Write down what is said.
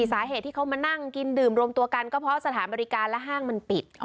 สาเหตุที่เขามานั่งกินดื่มรวมตัวกันก็เพราะสถานบริการและห้างมันปิด